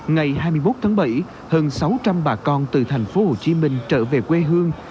ngày hai mươi một tháng bảy hơn sáu trăm linh bà con từ thành phố hồ chí minh trở về quê hương